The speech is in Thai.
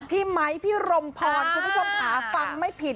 ไมค์พี่รมพรคุณผู้ชมค่ะฟังไม่ผิด